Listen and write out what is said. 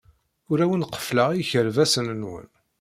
Ur awen-qeffleɣ ikerbasen-nwen.